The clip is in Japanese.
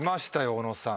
小野さん